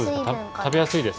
たべやすいですか？